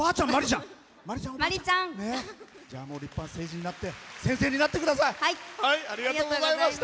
立派な成人になって先生になってください。